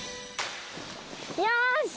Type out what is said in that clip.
よし！